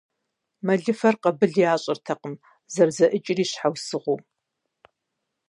Мэлыфэр къабыл ящӀыртэкъым, зэрызэӀыкӀыр и щхьэусыгъуэу.